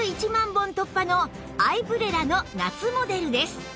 本突破のアイブレラの夏モデルです